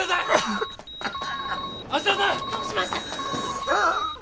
どうしました！？